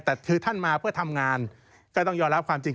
แต่คือท่านมาเพื่อทำงานก็ต้องยอมรับความจริง